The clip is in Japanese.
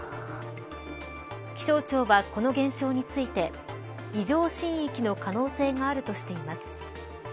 気象庁は、この現象について異常震域の可能性があるとしています。